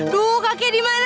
duh kakek dimana sih